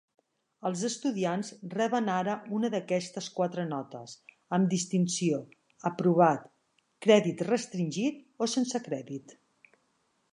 Els estudiants reben ara una d'aquestes quatre notes: amb distinció, aprovat, crèdit restringit o sense crèdit.